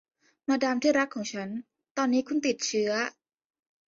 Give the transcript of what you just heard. มาดามที่รักของฉัน ตอนนี้คุณติดเชื้อ